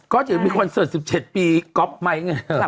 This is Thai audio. ก็จะมีคนเสิร์ฟ๑๗ปีก๊อปไม้เนี่ย